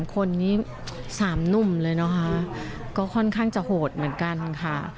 คนนี้๓หนุ่มเลยนะคะก็ค่อนข้างจะโหดเหมือนกันค่ะ